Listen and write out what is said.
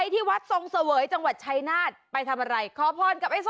ที่วัดส่องเสวยจังหวัดชายนาสไปทำอะไร